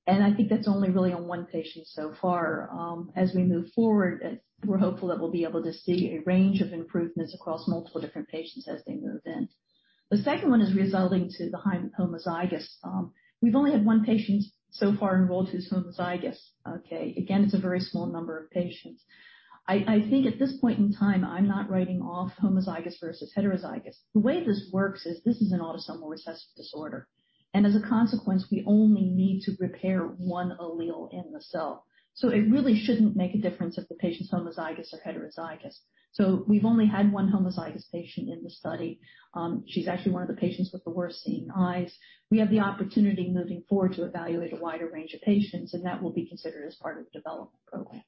I think that's only really on one patient so far. As we move forward, we're hopeful that we'll be able to see a range of improvements across multiple different patients as they move in. The second one is resolving to the homozygous. We've only had one patient so far enrolled who's homozygous. Okay. Again, it's a very small number of patients. I think at this point in time, I'm not writing off homozygous versus heterozygous. The way this works is this is an autosomal recessive disorder, and as a consequence, we only need to repair one allele in the cell. It really shouldn't make a difference if the patient's homozygous or heterozygous. We've only had one homozygous patient in the study. She's actually one of the patients with the worst-seeing eyes. We have the opportunity, moving forward, to evaluate a wider range of patients, and that will be considered as part of the development program.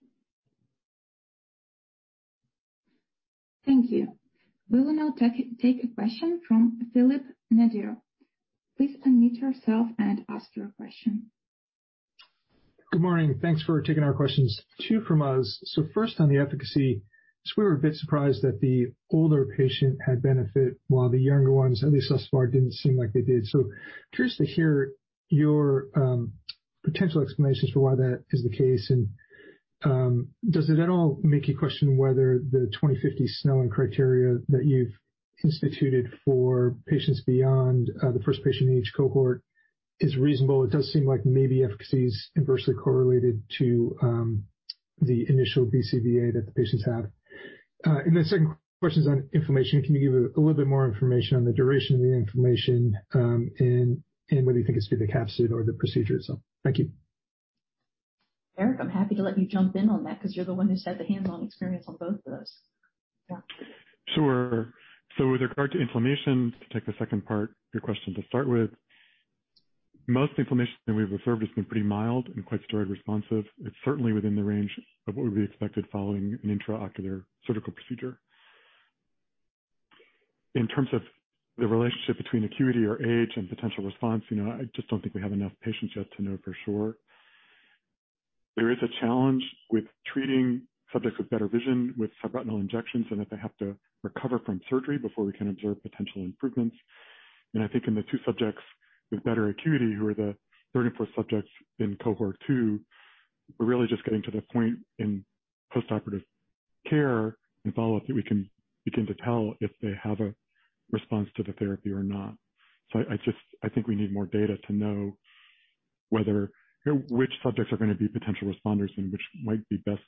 Thank you. We will now take a question from Philip Nadeau. Please unmute yourself and ask your question. Good morning. Thanks for taking our questions. Two from us. First, on the efficacy, we were a bit surprised that the older patient had benefit, while the younger ones, at least thus far, didn't seem like they did. Curious to hear your potential explanations for why that is the case, and does it at all make you question whether the 20/50 Snellen criteria that you've instituted for patients beyond the first patient age cohort is reasonable? It does seem like maybe efficacy is inversely correlated to the initial BCVA that the patients have. The second question on inflammation. Can you give a little bit more information on the duration of the inflammation, and whether you think it's due to the capsule or the procedure itself? Thank you. Eric, I'm happy to let you jump in on that because you're the one who's had the hands-on experience on both of those. Yeah. Sure. With regard to inflammation, to take the second part of your question to start with, most inflammation that we've observed has been pretty mild and quite steroid responsive. It's certainly within the range of what would be expected following an intraocular surgical procedure. In terms of the relationship between acuity or age and potential response, I just don't think we have enough patients yet to know for sure. There is a challenge with treating subjects with better vision with subretinal injections in that they have to recover from surgery before we can observe potential improvements. I think in the two subjects with better acuity, who are the third and fourth subjects in cohort 2, we're really just getting to the point in postoperative care and follow-up that we can begin to tell if they have a response to the therapy or not. I think we need more data to know which subjects are going to be potential responders and which might be best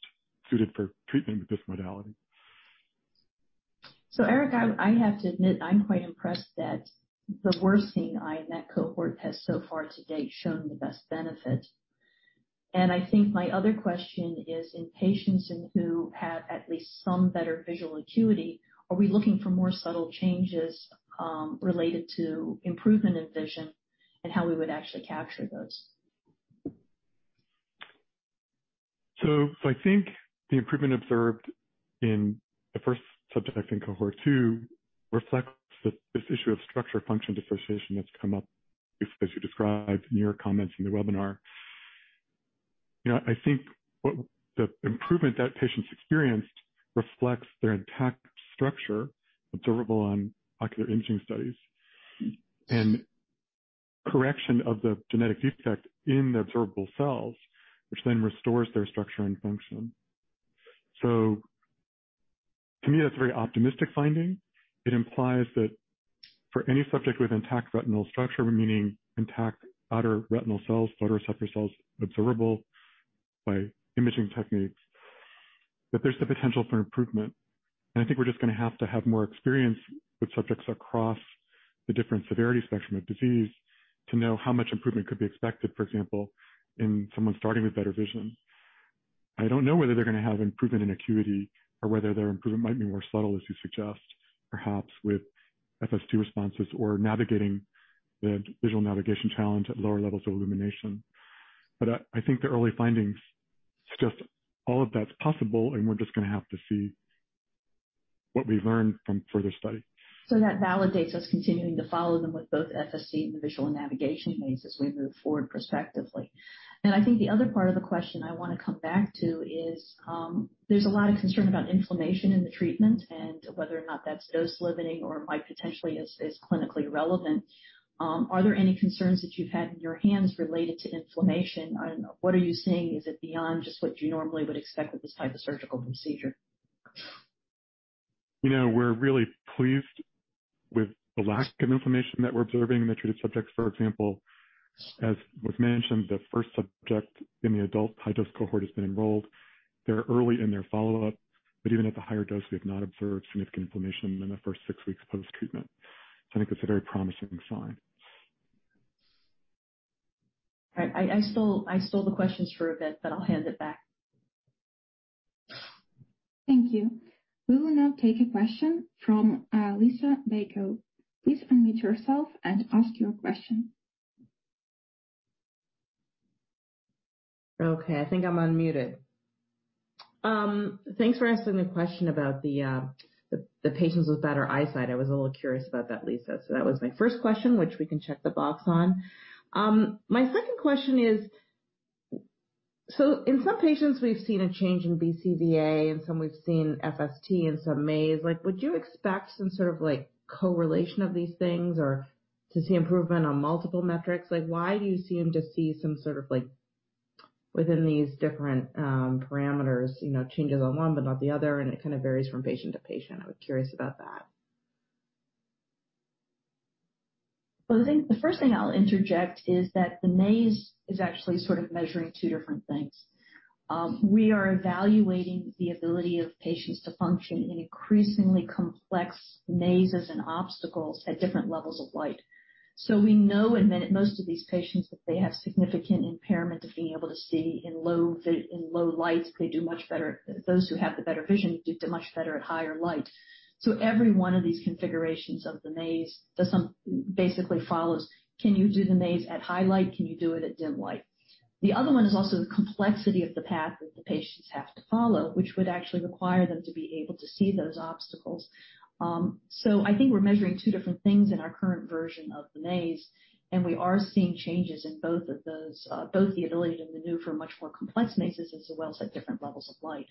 suited for treatment with this modality. Eric, I have to admit, I'm quite impressed that the worst-seeing eye in that cohort has so far to date shown the best benefit. I think my other question is in patients who have at least some better visual acuity, are we looking for more subtle changes related to improvement in vision and how we would actually capture those? I think the improvement observed in the first subject in cohort 2 reflects this issue of structure function differentiation that's come up as you described in your comments in the webinar. I think the improvement that patients experienced reflects their intact structure, observable on ocular imaging studies, and correction of the genetic defect in the observable cells, which then restores their structure and function. To me, that's a very optimistic finding. It implies that for any subject with intact retinal structure, meaning intact outer retinal cells, photoreceptor cells observable by imaging techniques, that there's the potential for improvement. I think we're just going to have to have more experience with subjects across the different severity spectrum of disease to know how much improvement could be expected, for example, in someone starting with better vision. I don't know whether they're going to have improvement in acuity or whether their improvement might be more subtle, as you suggest, perhaps with FST responses or navigating the Visual Navigation Challenge at lower levels of illumination. I think the early findings suggest all of that's possible, and we're just going to have to see what we learn from further study. That validates us continuing to follow them with both FST and the visual navigation aids as we move forward prospectively. I think the other part of the question I want to come back to is, there's a lot of concern about inflammation in the treatment and whether or not that's dose-limiting or might potentially is clinically relevant. Are there any concerns that you've had in your hands related to inflammation? I don't know. What are you seeing? Is it beyond just what you normally would expect with this type of surgical procedure? We're really pleased with the lack of inflammation that we're observing in the treated subjects. For example, as was mentioned, the first subject in the adult high-dose cohort has been enrolled. They're early in their follow-up, but even at the higher dose, we have not observed significant inflammation in the first six weeks post-treatment. I think it's a very promising sign. All right. I stole the questions for a bit. I'll hand it back. Thank you. We will now take a question from Liisa Bayko. Please unmute yourself and ask your question. Okay. I think I'm unmuted. Thanks for answering the question about the patients with better eyesight. I was a little curious about that, Lisa. That was my first question, which we can check the box on. My second question. In some patients, we've seen a change in BCVA, in some we've seen FST, in some maze. Would you expect some sort of correlation of these things or to see improvement on multiple metrics? Why do you seem to see some sort of within these different parameters, changes on one but not the other, and it kind of varies from patient to patient? I was curious about that. Well, I think the first thing I'll interject is that the maze is actually sort of measuring two different things. We are evaluating the ability of patients to function in increasingly complex mazes and obstacles at different levels of light. We know in most of these patients that they have significant impairment of being able to see in low light. Those who have the better vision do much better at higher light. Every one of these configurations of the maze basically follows, can you do the maze at high light? Can you do it at dim light? The other one is also the complexity of the path that the patients have to follow, which would actually require them to be able to see those obstacles. I think we're measuring two different things in our current version of the maze, and we are seeing changes in both of those, both the ability to maneuver much more complex mazes as well as at different levels of light.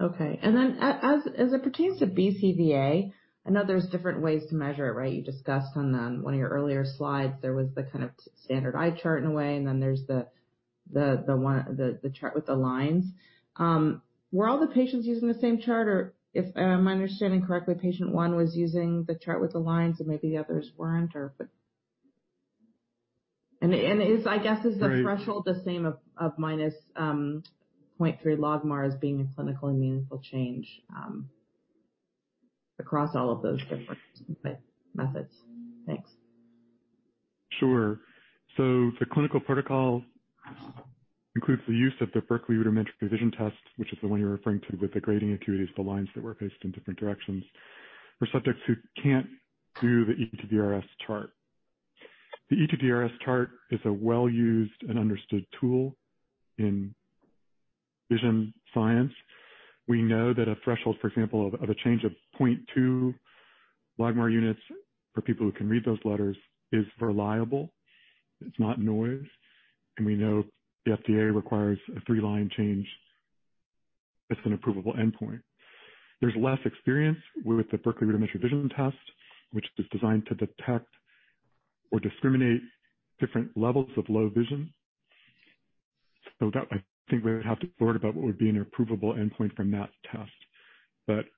Okay. As it pertains to BCVA, I know there's different ways to measure it, right? You discussed on one of your earlier slides, there was the kind of standard eye chart in a way, and then there's the chart with the lines. Were all the patients using the same chart, or if I'm understanding correctly, patient 1 was using the chart with the lines and maybe the others weren't? I guess is the threshold the same of -0.3 logMAR as being a clinical and meaningful change across all of those different methods? Thanks. Sure. The clinical protocol includes the use of the Berkeley Rudimentary Vision Test, which is the one you're referring to with the grating acuities, the lines that were faced in different directions, for subjects who can't do the ETDRS chart. The ETDRS chart is a well-used and understood tool in vision science. We know that a threshold, for example, of a change of 0.2 logMAR units for people who can read those letters is reliable. It's not noise, we know the FDA requires a three-line change as an approvable endpoint. There's less experience with the Berkeley Rudimentary Vision Test, which is designed to detect or discriminate different levels of low vision. That I think we would have to figure about what would be an approvable endpoint from that test.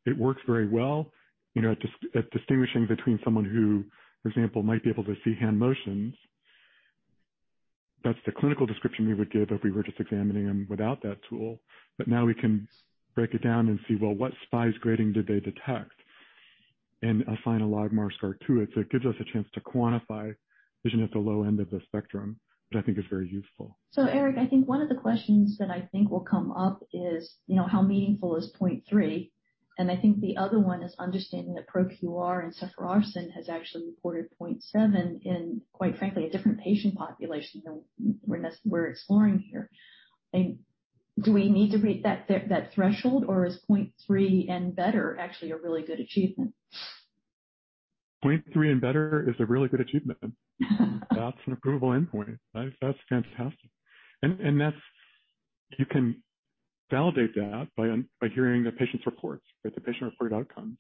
It works very well at distinguishing between someone who, for example, might be able to see hand motions. That's the clinical description we would give if we were just examining them without that tool. Now we can break it down and see, well, what size grating did they detect, and assign a logMAR score to it. It gives us a chance to quantify vision at the low end of the spectrum, which I think is very useful. Eric, I think one of the questions that I think will come up is how meaningful is 0.3? I think the other one is understanding that ProQR and sepofarsen has actually reported 0.7 in, quite frankly, a different patient population than we're exploring here. Do we need to read that threshold, or is 0.3 and better actually a really good achievement? 0.3 and better is a really good achievement. That's an approval endpoint. That's fantastic. You can validate that by hearing the patient's reports, that the patient-reported outcomes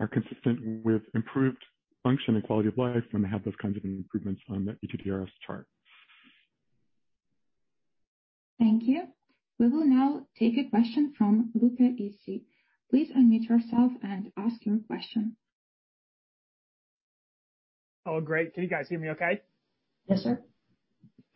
are consistent with improved function and quality of life, and they have those kinds of improvements on the ETDRS chart. Thank you. We will now take a question from Luca Issi. Please unmute yourself and ask your question. Oh, great. Can you guys hear me okay? Yes, sir.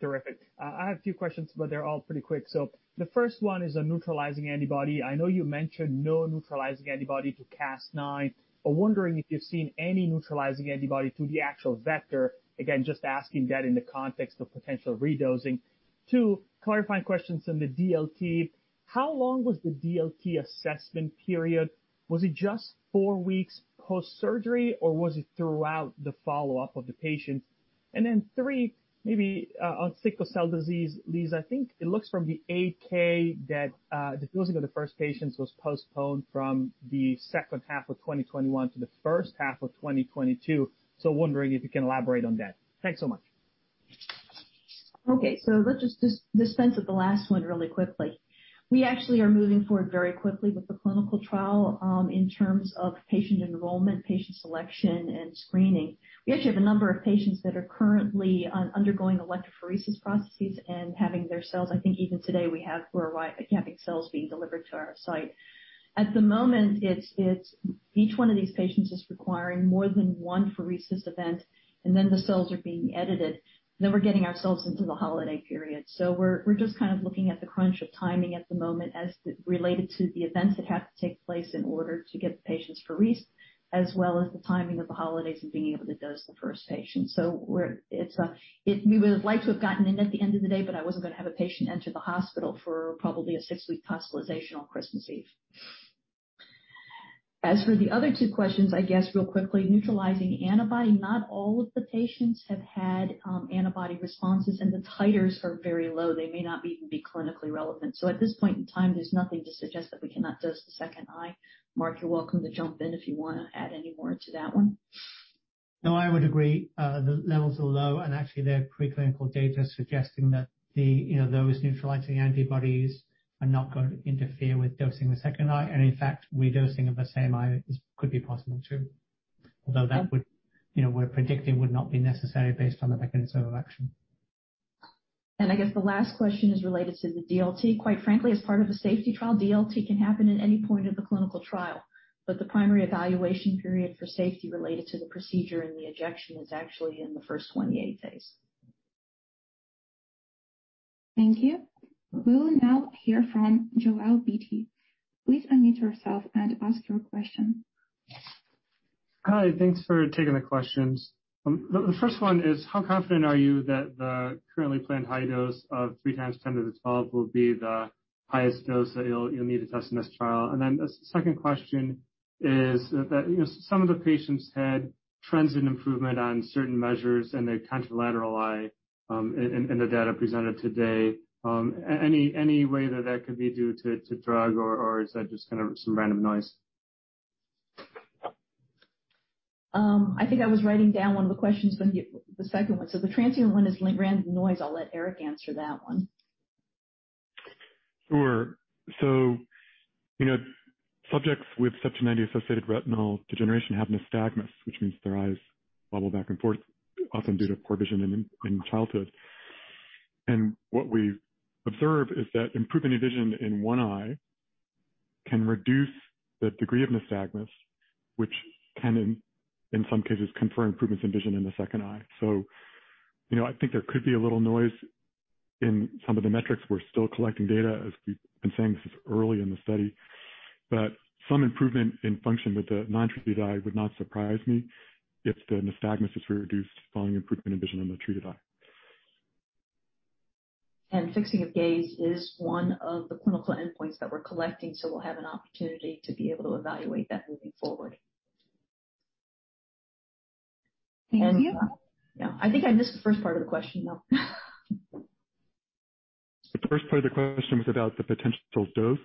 Terrific. I have a few questions, but they're all pretty quick. The first one is a neutralizing antibody. I know you mentioned no neutralizing antibody to Cas9. I'm wondering if you've seen any neutralizing antibody to the actual vector. Again, just asking that in the context of potential redosing. Two, clarifying questions in the DLT. How long was the DLT assessment period? Was it just four weeks post-surgery, or was it throughout the follow-up of the patients? Three, maybe on sickle cell disease, Lis, I think it looks from the 8-K that the dosing of the first patients was postponed from the second half of 2021 to the first half of 2022. Wondering if you can elaborate on that. Thanks so much. Okay. Let's just dispense with the last one really quickly. We actually are moving forward very quickly with the clinical trial in terms of patient enrollment, patient selection, and screening. We actually have a number of patients that are currently undergoing electrophoresis processes and having their cells. I think even today we have [four incoming cells] being delivered to our site. At the moment, each one of these patients is requiring more than one pheresis event, and then the cells are being edited. We're getting ourselves into the holiday period. We're just kind of looking at the crunch of timing at the moment as related to the events that have to take place in order to get the patients pheresed, as well as the timing of the holidays and being able to dose the first patient. We would have liked to have gotten in at the end of the day, but I wasn't going to have a patient enter the hospital for probably a six-week hospitalization on Christmas Eve. As for the other two questions, I guess real quickly, neutralizing antibody, not all of the patients have had antibody responses, and the titers are very low. They may not even be clinically relevant. At this point in time, there's nothing to suggest that we cannot dose the second eye. Mark, you're welcome to jump in if you want to add any more to that one. No, I would agree. The levels are low, and actually there are preclinical data suggesting that those neutralizing antibodies are not going to interfere with dosing the second eye, and in fact, re-dosing of the same eye could be possible too. That would, we're predicting, would not be necessary based on the mechanism of action. I guess the last question is related to the DLT. Quite frankly, as part of a safety trial, DLT can happen at any point of the clinical trial, but the primary evaluation period for safety related to the procedure and the injection is actually in the first 28 days. Thank you. We will now hear from Joel Beatty. Please unmute yourself and ask your question. Hi. Thanks for taking the questions. The first one is, how confident are you that the currently planned high dose of 3 x 10^12 will be the highest dose that you'll need to test in this trial? The second question is, some of the patients had transient improvement on certain measures in their contralateral eye in the data presented today. Any way that that could be due to drug or is that just some random noise? I think I was writing down one of the questions, the second one. The transient one is random noise. I'll let Eric answer that one. Sure. Subjects with CEP290-associated retinal degeneration have nystagmus, which means their eyes bobble back and forth, often due to poor vision in childhood. What we observe is that improvement in vision in one eye can reduce the degree of nystagmus, which can, in some cases, confer improvements in vision in the second eye. I think there could be a little noise in some of the metrics. We're still collecting data. As we've been saying, this is early in the study, but some improvement in function with the non-treated eye would not surprise me if the nystagmus is reduced following improvement in vision in the treated eye. Fixing of gaze is one of the clinical endpoints that we're collecting, so we'll have an opportunity to be able to evaluate that moving forward. Thank you. Yeah. I think I missed the first part of the question, though. The first part of the question was about the potential dose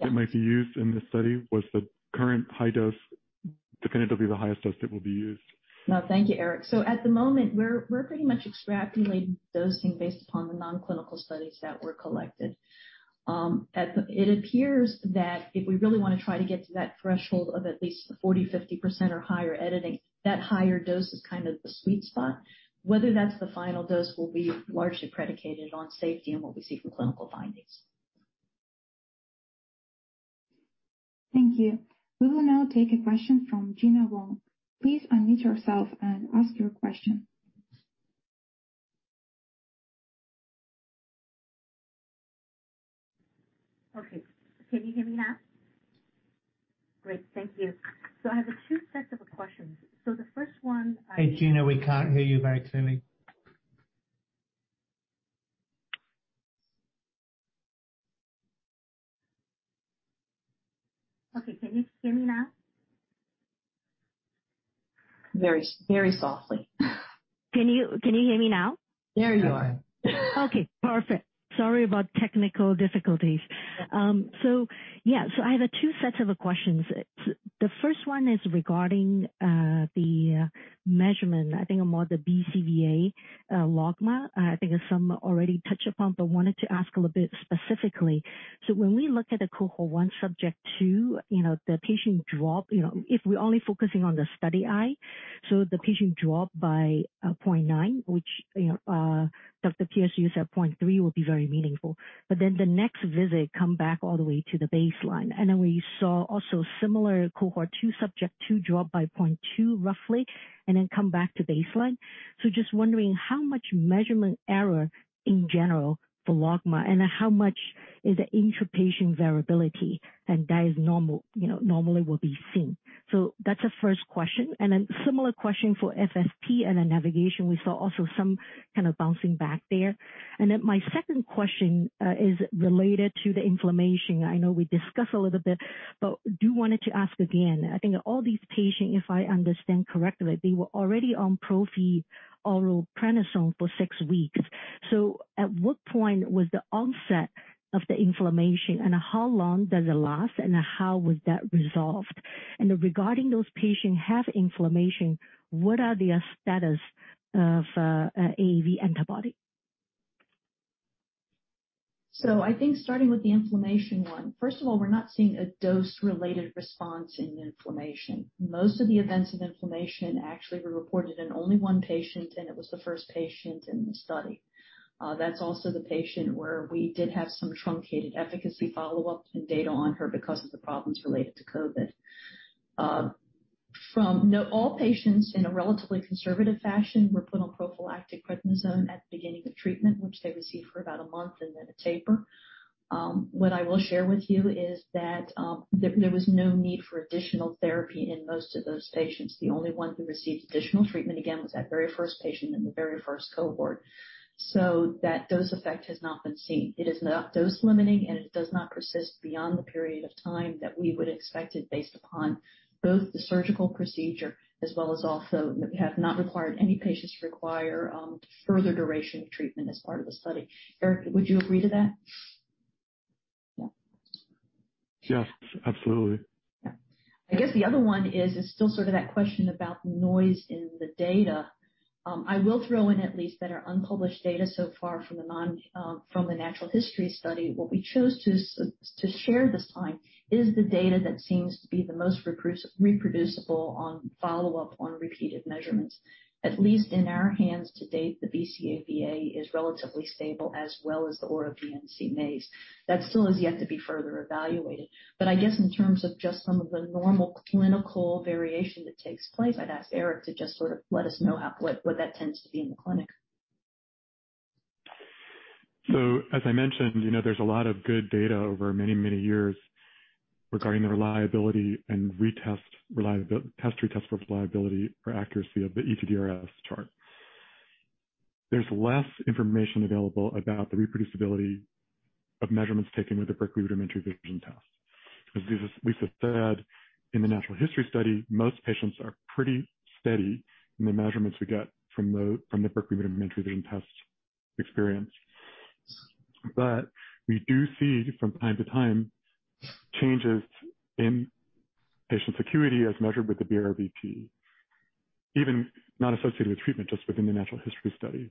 that might be used in this study. Was the current high dose definitively the highest dose that will be used? No, thank you, Eric. At the moment, we're pretty much extrapolating dosing based upon the non-clinical studies that were collected. It appears that if we really want to try to get to that threshold of at least 40%, 50% or higher editing, that higher dose is the sweet spot. Whether that's the final dose will be largely predicated on safety and what we see from clinical findings. Thank you. We will now take a question from Gena Wang. Please unmute yourself and ask your question. Okay. Can you hear me now? Great. Thank you. I have two sets of questions. The first one. Hey, Gena, we can't hear you very clearly. Okay. Can you hear me now? Very softly. Can you hear me now? There you are. Perfect. Sorry about technical difficulties. Yeah. I have two sets of questions. The first one is regarding the measurement, I think more the BCVA logMAR. I think some already touched upon, wanted to ask a little bit specifically. When we look at the cohort 1, subject 2, the patient dropped. If we're only focusing on the study eye, the patient dropped by 0.9, which Dr. Pierce used at 0.3 will be very meaningful. The next visit come back all the way to the baseline. We saw also similar cohort 2, subject 2 drop by 0.2 roughly, come back to baseline. Just wondering how much measurement error in general for logMAR, and how much is the intrapatient variability, and that normally will be seen? That's the first question, similar question for FST and the navigation. We saw also some kind of bouncing back there. My second question is related to the inflammation. I know we discussed a little bit, do wanted to ask again. I think all these patients, if I understand correctly, they were already on prophy oral prednisone for six weeks. At what point was the onset of the inflammation, and how long does it last, and how was that resolved? Regarding those patients have inflammation, what are their status of AAV antibody? I think starting with the inflammation one, first of all, we're not seeing a dose-related response in inflammation. Most of the events of inflammation actually were reported in only one patient, and it was the first patient in the study. That's also the patient where we did have some truncated efficacy follow-up and data on her because of the problems related to COVID. All patients, in a relatively conservative fashion, were put on prophylactic prednisone at the beginning of treatment, which they received for about a month and then a taper. What I will share with you is that there was no need for additional therapy in most of those patients. The only one who received additional treatment, again, was that very first patient in the very first cohort. That dose effect has not been seen. It is not dose-limiting, it does not persist beyond the period of time that we would expect it based upon both the surgical procedure as well as have not required any patients require further duration of treatment as part of the study. Eric, would you agree to that? Yes, absolutely. Yeah. I guess the other one is still that question about noise in the data. I will throw in at least that our unpublished data so far from the natural history study, what we chose to share this time is the data that seems to be the most reproducible on follow-up on repeated measurements. At least in our hands to date, the BCVA is relatively stable, as well as the Ora-VNC maze. That still is yet to be further evaluated. I guess in terms of just some of the normal clinical variation that takes place, I'd ask Eric to just let us know what that tends to be in the clinic. As I mentioned, there's a lot of good data over many, many years regarding the reliability and test-retest reliability for accuracy of the ETDRS chart. There's less information available about the reproducibility of measurements taken with the Berkeley Rudimentary Vision Test. As Lisa said, in the Natural History Study, most patients are pretty steady in the measurements we get from the Berkeley Rudimentary Vision Test experience. We do see, from time to time, changes in patient acuity as measured with the BRVT, even not associated with treatment, just within the natural history study.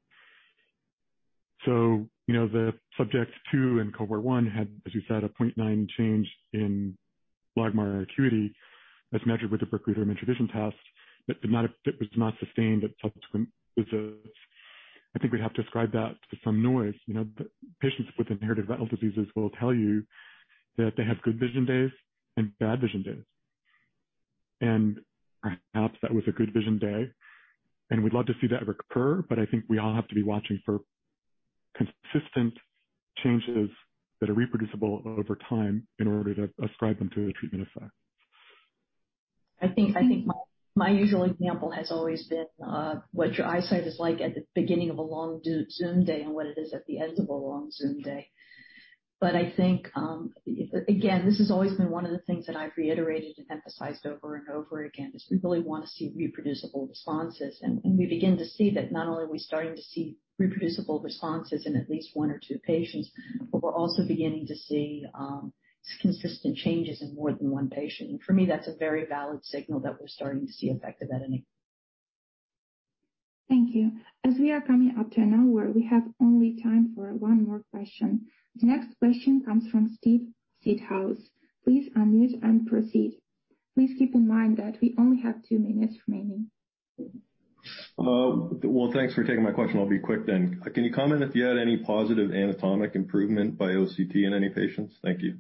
The subject 2 in cohort 1 had, as we said, a 0.9 change in logMAR acuity as measured with the Berkeley Rudimentary Vision Test, but it was not sustained at subsequent visits. I think we'd have to ascribe that to some noise. Patients with inherited retinal diseases will tell you that they have good vision days and bad vision days. Perhaps that was a good vision day, and we'd love to see that recur, but I think we all have to be watching for consistent changes that are reproducible over time in order to ascribe them to a treatment effect. I think my usual example has always been what your eyesight is like at the beginning of a long Zoom day and what it is at the end of a long Zoom day. I think, again, this has always been one of the things that I've reiterated and emphasized over and over again, is we really want to see reproducible responses. We begin to see that not only are we starting to see reproducible responses in at least one or two patients, but we're also beginning to see consistent changes in more than one patient. For me, that's a very valid signal that we're starting to see effective editing. Thank you. As we are coming up to an hour, we have only time for one more question. The next question comes from Steve Seedhouse. Please unmute and proceed. Please keep in mind that we only have two minutes remaining. Well, thanks for taking my question. I'll be quick then. Can you comment if you had any positive anatomic improvement by OCT in any patients? Thank you.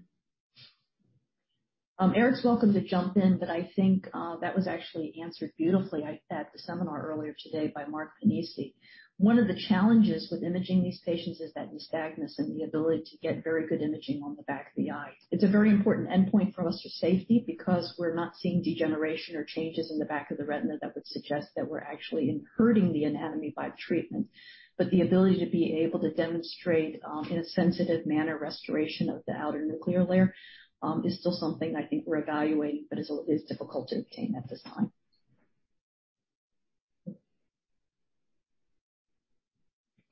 Eric's welcome to jump in, but I think that was actually answered beautifully at the seminar earlier today by Mark Pennesi. One of the challenges with imaging these patients is that nystagmus and the ability to get very good imaging on the back of the eye. It's a very important endpoint for us for safety because we're not seeing degeneration or changes in the back of the retina that would suggest that we're actually hurting the anatomy by treatment. The ability to be able to demonstrate, in a sensitive manner, restoration of the outer nuclear layer is still something I think we're evaluating, but is difficult to obtain at this time.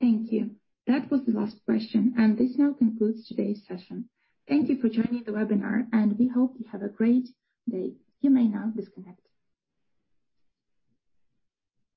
Thank you. That was the last question, and this now concludes today's session. Thank you for joining the webinar, and we hope you have a great day. You may now disconnect.